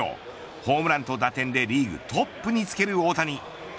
ホームランと打点でリーグトップにつける大谷。